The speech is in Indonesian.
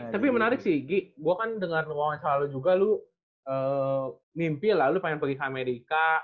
tapi menarik sih g gue kan dengar uang asal lu juga lu mimpi lah lu pengen pergi ke amerika